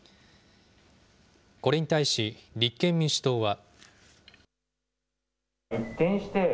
これに対し、立憲民主党は。